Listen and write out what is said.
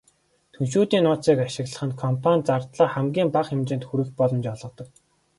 Түншүүдийн нууцыг ашиглах нь компани зардлаа хамгийн бага хэмжээнд хүргэх боломж олгодог.